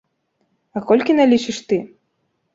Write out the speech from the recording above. А колькі налічыш ты?